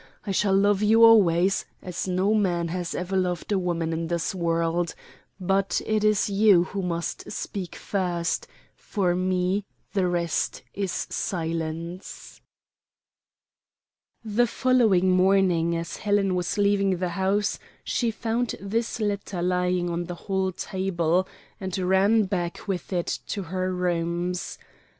I shall love you always, as no man has ever loved a woman in this world, but it is you who must speak first; for me, the rest is silence." The following morning as Helen was leaving the house she found this letter lying on the hall table, and ran back with it to her rooms.